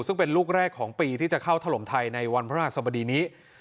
ซึ่งเป็นลูกแรกของปีที่จะเข้าถล่มไทยในวันพระราชสมดีนี้